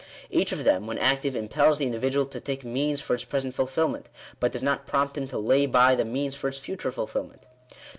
Each of them, when active, im pels the individual to take means for its present fulfilment ; but does not prompt him to lay by the means for its future fulfil ment.